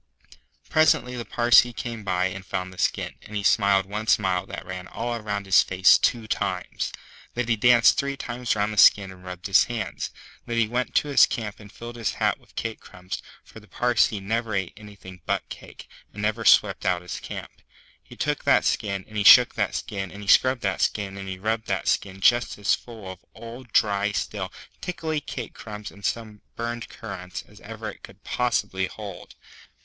Presently the Parsee came by and found the skin, and he smiled one smile that ran all round his face two times. Then he danced three times round the skin and rubbed his hands. Then he went to his camp and filled his hat with cake crumbs, for the Parsee never ate anything but cake, and never swept out his camp. He took that skin, and he shook that skin, and he scrubbed that skin, and he rubbed that skin just as full of old, dry, stale, tickly cake crumbs and some burned currants as ever it could possibly hold.